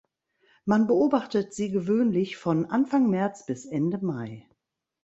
Man beobachtet sie gewöhnlich von Anfang März bis Ende Mai.